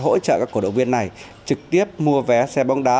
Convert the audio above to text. hỗ trợ các cổ động viên này trực tiếp mua vé xe bóng đá